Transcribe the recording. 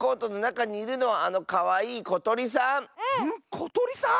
ことりさん